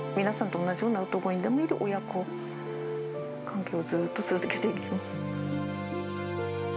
皆さんと同じような、どこにでもいる親子関係をずっと続けていきます。